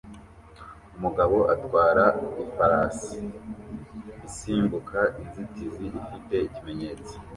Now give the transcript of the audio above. Umugabo atwara ifarashi isimbuka inzitizi ifite ikimenyetso